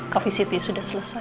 coffee city sudah selesai pak